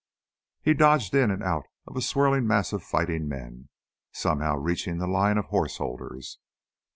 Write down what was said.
They dodged in and out of a swirling mass of fighting men, somehow reaching the line of horse holders.